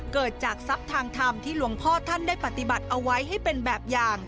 เกิดจากทรัพย์ทางธรรมที่หลวงพ่อท่านได้ปฏิบัติเอาไว้ให้เป็นแบบอย่าง